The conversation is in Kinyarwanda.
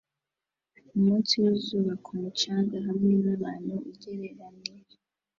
Umunsi wizuba ku mucanga hamwe nabantu ugereranije